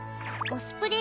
コスプレ？